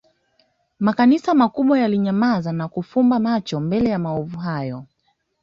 Makanisa makubwa yalinyamaza au kufumba macho mbele ya maovu hayo